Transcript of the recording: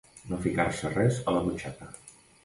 No ficar-se res a la butxaca.